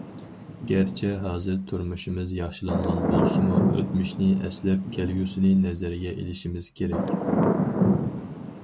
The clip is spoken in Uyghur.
گەرچە ھازىر تۇرمۇشىمىز ياخشىلانغان بولسىمۇ، ئۆتمۈشنى ئەسلەپ، كەلگۈسىنى نەزەرگە ئېلىشىمىز كېرەك.